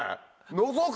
のぞく？